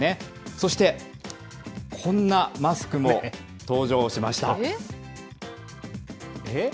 そして、こんなマスクも登場しました。